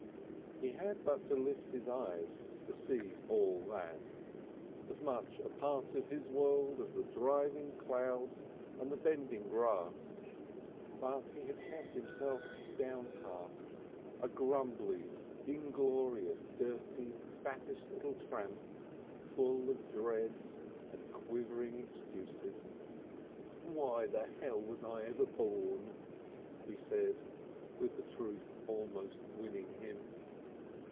He had but to lift his eyes to see all that, as much a part of his world as the driving clouds and the bending grass, but he kept himself downcast, a grumbling, inglorious, dirty, fattish little tramp, full of dreads and quivering excuses. "Why the hell was I ever born?" he said, with the truth almost winning him.